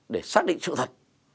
để xác định sự thật